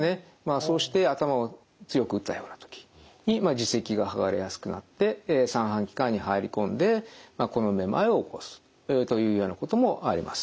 そうして頭を強く打ったようなときに耳石がはがれやすくなって三半規管に入り込んでこのめまいを起こすというようなこともあります。